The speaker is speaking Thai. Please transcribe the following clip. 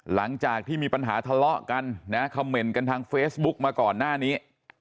หลังจากที่มีปัญหาทะเลาะกันนะคำเมนต์กันทางเฟซบุ๊กมาก่อนหน้านี้